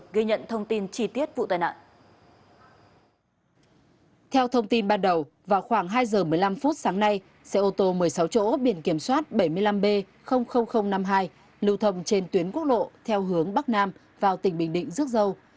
hai giờ một mươi năm phút sáng nay xe ô tô một mươi sáu chỗ biển kiểm soát bảy mươi năm b năm mươi hai lưu thầm trên tuyến quốc lộ theo hướng bắc nam vào tỉnh bình định dước dâu